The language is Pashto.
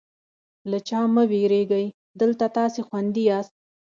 له چا مه وېرېږئ، دلته تاسې خوندي یاست.